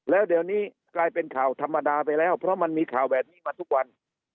แล้วเดี๋ยวนี้กลายเป็นข่าวธรรมดาไปแล้วเพราะมันมีข่าวแบบนี้มาทุกวัน